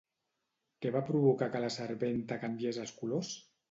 Què va provocar que la serventa canviés els colors?